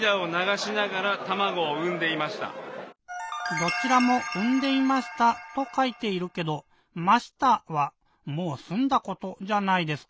どちらも「うんでいました」とかいているけど「ました」はもうすんだことじゃないですか？